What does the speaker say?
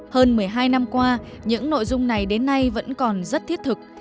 hơn một mươi hai năm qua những nội dung này đến nay vẫn còn rất thiết thực